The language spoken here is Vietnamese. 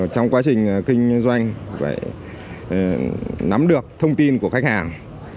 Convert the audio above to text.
trong quá trình kinh doanh phải nắm được thông tin của khách hàng